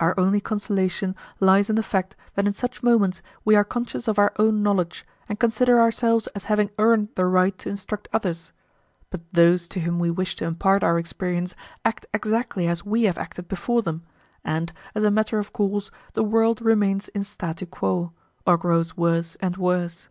Our only consolation lies in the fact that in such moments we are conscious of our own knowledge, and consider ourselves as having earned the right to instruct others; but those to whom we wish to impart our experience act exactly as we have acted before them, and, as a matter of course, the world remains in statu quo, or grows worse and worse.